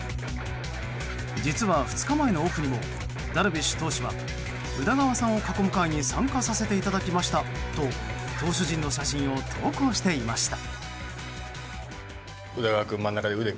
実は２日前のオフにもダルビッシュ投手は宇田川さんを囲む会に参加させていただきましたと投手陣の写真を投稿していました。